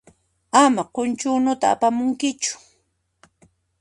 Ama qunchu unuta apamunkichu.